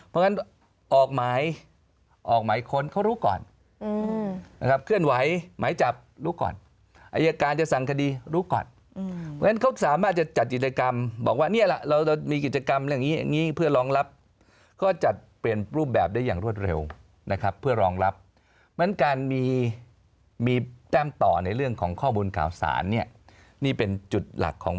เพราะฉะนั้นออกหมายออกหมายคนเขารู้ก่อน